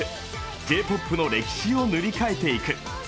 Ｊ‐ＰＯＰの歴史を塗り替えていく。